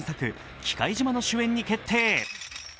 「忌怪島」の主演に決定。